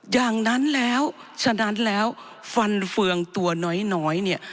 อย่างนั้นแล้วฉะนั้นแล้วฟันเฟืองตัวน้อยเนี่ย